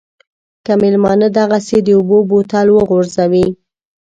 که مېلمانه دغسې د اوبو بوتل وغورځوي.